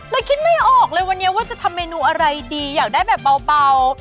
คิดไม่ออกเลยวันนี้ว่าจะทำเมนูอะไรดีอยากได้แบบเบา